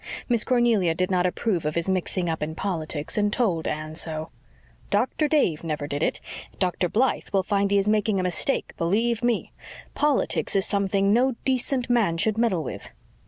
Miss Cornelia did not approve of his mixing up in politics and told Anne so. "Dr. Dave never did it. Dr. Blythe will find he is making a mistake, believe ME. Politics is something no decent man should meddle with."